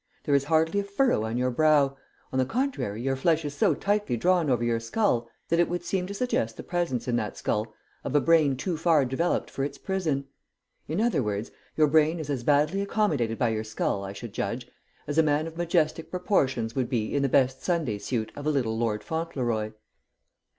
There is hardly a furrow on your brow; on the contrary your flesh is so tightly drawn over your skull, that it would seem to suggest the presence in that skull of a brain too far developed for its prison; in other words your brain is as badly accommodated by your skull, I should judge, as a man of majestic proportions would be in the best Sunday suit of a little Lord Fauntleroy."